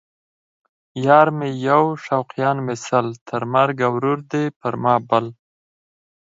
یار مې یو شوقیان مې سل ـ تر مرګه ورور دی پر ما بل